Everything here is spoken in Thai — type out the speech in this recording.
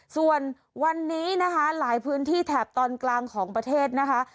ส่วนวันนี้นะคะหลายพื้นที่แถบตอนกลางของประเทศนะคะ